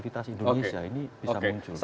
untuk kemudian kohesivitas indonesia ini bisa muncul